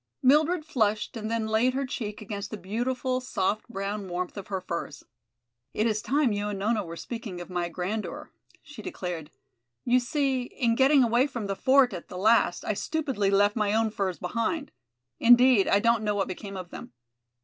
Mildred flushed and then laid her cheek against the beautiful, soft brown warmth of her furs. "It is time you and Nona were speaking of my grandeur," she declared. "You see, in getting away from the fort at the last I stupidly left my own furs behind; indeed, I don't know what became of them.